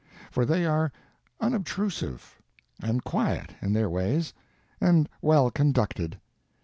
For they are unobtrusive, and quiet in their ways, and well conducted.